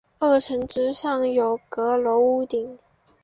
二层之上有阁楼屋顶。